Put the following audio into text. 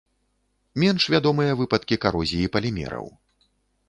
Менш вядомыя выпадкі карозіі палімераў.